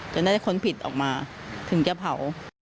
จะได้คนผิดออกมาถึงจะเผา